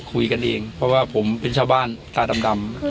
คุยกันเองเพราะว่าผมเป็นชาวบ้านตาดำ